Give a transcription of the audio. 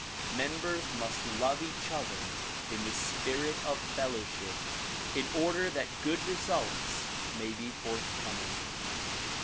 ]\Iem bcrs must love each other in the spirit of fellowship in order that good results may be forthcoming.